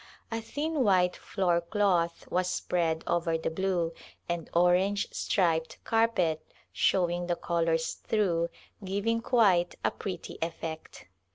A thin white floor cloth was spread over the blue and orange striped carpet showing the colors through, giv ing quite a pretty effect.